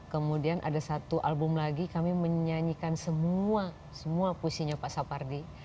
kemudian ada satu album lagi kami menyanyikan semua semua pusinya pak sapardi